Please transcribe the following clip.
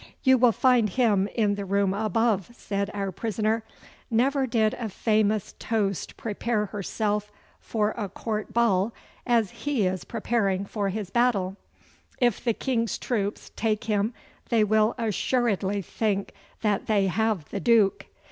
'You will find him in the room above,' said our prisoner. 'Never did a famous toast prepare herself for a court ball as he is preparing for his battle. If the King's troops take him they will assuredly think that they have the Duke.